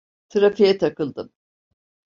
Trafiğe takıldım.